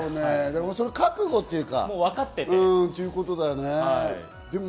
でも覚悟というか、ということだよね。